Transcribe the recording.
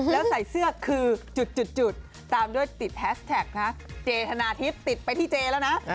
แล้วใส่เสื้อคือจุดตามด้วยติดแฮสแท็กนะเจธนาทิพย์ติดไปที่เจแล้วนะ